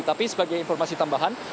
tapi sebagai informasi tambahan